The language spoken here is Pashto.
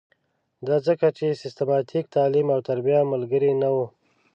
دا ځکه چې سیستماتیک تعلیم او تربیه ملګرې نه وه.